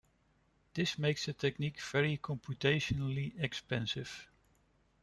This makes this technique very computationally expensive.